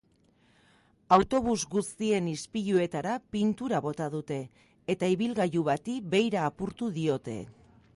Autobus guztien ispiluetara pintura bota dute, eta ibilgailu bati beira apurtu diote.